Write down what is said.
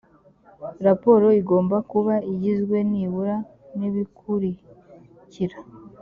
raporo igomba kuba igizwe nibura n’ibikurikira